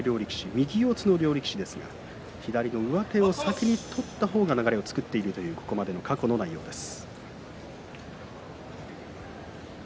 右四つの両力士ですが左の上手を先に取った方が流れを作っているというここまでの過去の内容です。